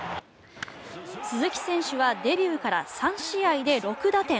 鈴木選手はデビューから３試合で６打点。